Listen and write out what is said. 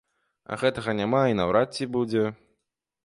А гэтага няма і наўрад ці будзе.